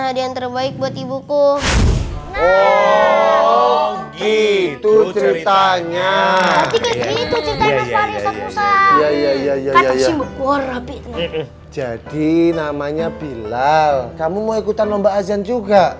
ada yang terbaik buat ibuku gitu ceritanya jadi namanya bilal kamu mau ikutan lomba azan juga